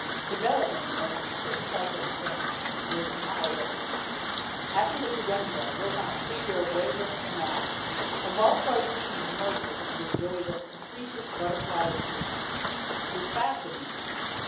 Development, as in strict cyclic forms, there is not a little. After the cadenza, built on a figure of wavering tonality, a valse like theme emerges and enjoys a capricious, butterfly existence. It is fascinating.